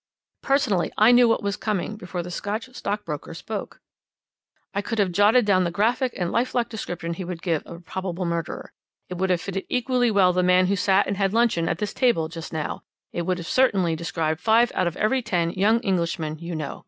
"Personally I knew what was coming before the Scotch stockbroker spoke. "I could have jotted down the graphic and lifelike description he would give of a probable murderer. It would have fitted equally well the man who sat and had luncheon at this table just now; it would certainly have described five out of every ten young Englishmen you know.